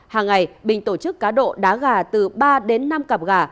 hàng ngày bình tổ chức cá độ đá gà từ ba đến năm cặp gà